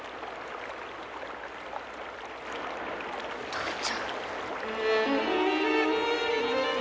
父ちゃん？